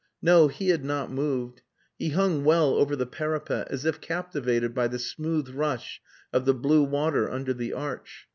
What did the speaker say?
No, he had not moved. He hung well over the parapet, as if captivated by the smooth rush of the blue water under the arch.